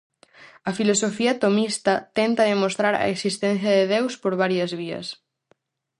A filosofía tomista tenta demostrar a existencia de Deus por varias vías.